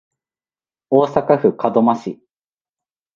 大阪府門真市